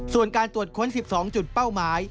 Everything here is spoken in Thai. ส่วนการตรวจค้น๑๒จุดเป้าหมาย